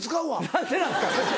何でなんですか！